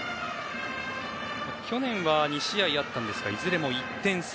去年は２試合あったんですがいずれも１点差。